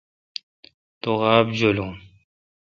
تو غابہ جولون۔